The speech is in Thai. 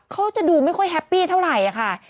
เขาจะดูไม่ค่อยแฮปปี้เท่าไหร่ค่ะ